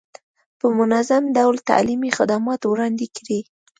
په منظم ډول تعلیمي خدمات وړاندې کړي.